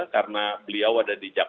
karena beliau ada di perusahaan